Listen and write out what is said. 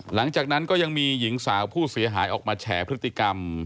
หลังจากนั้นก็ยังมีหญิงสาวผู้เสียหายออกมาแฉพฤติกรรม